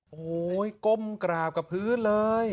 โอ้โหก้มกราบกับพื้นเลย